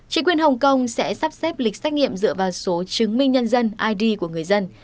chính quyền hồng kông sẽ sắp xếp lịch xét nghiệm dựa vào số chứng minh nhân dân id của người dân